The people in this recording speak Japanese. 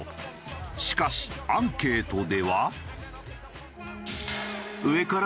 しかしアンケートでは。